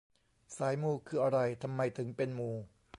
สายมูคืออะไร ทำไมถึงเป็นมู